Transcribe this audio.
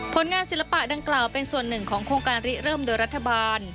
ผลงานศิลปะดังกล่าวเป็นส่วนหนึ่งของโครงการริเริ่มโดยรัฐบาล